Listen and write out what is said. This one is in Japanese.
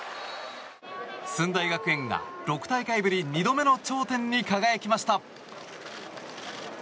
駿台学園が６大会ぶり２度目の頂点に輝きました。